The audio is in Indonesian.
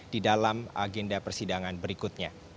di dalam agenda persidangan berikutnya